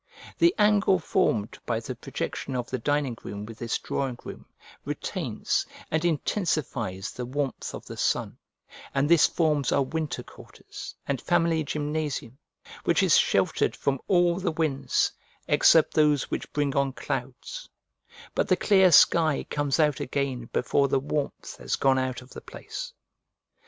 The angle formed by the projection of the dining room with this drawing room retains and intensifies the warmth of the sun, and this forms our winter quarters and family gymnasium, which is sheltered from all the winds except those which bring on clouds, but the clear sky comes out again before the warmth has gone out of the place.